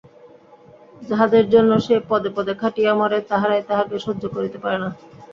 যাহাদের জন্য সে পদে পদে খাটিয়া মরে তাহারাই তাহাকে সহ্য করিতে পারে না।